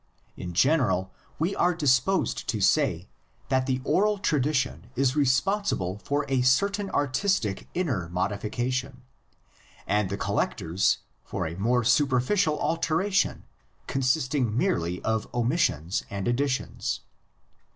In general we are dis posed to say that the oral tradition is responsible for a certain artistic inner modification, and the col lectors for a more superficial alteration consisting merely of omissions and additions.